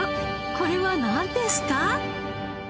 これはなんですか？